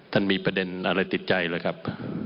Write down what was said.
ท่านมีประเด็นอะไรติดใจเลยครับ